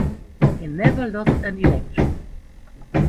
He never lost an election.